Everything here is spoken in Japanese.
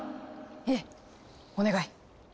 ええお願い。